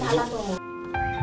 di alat tumbuk